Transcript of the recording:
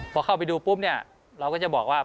พอเข้าไปดูปุ๊บเนี่ยเราก็จะบอกว่า